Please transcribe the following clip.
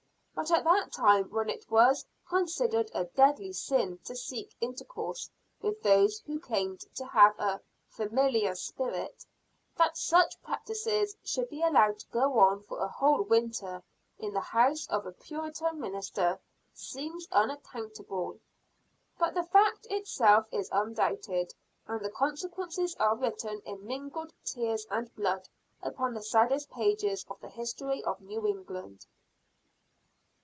But at that time when it was considered a deadly sin to seek intercourse with those who claimed to have "a familiar spirit," that such practices should be allowed to go on for a whole winter, in the house of a Puritan minister, seems unaccountable. But the fact itself is undoubted, and the consequences are written in mingled tears and blood upon the saddest pages of the history of New England.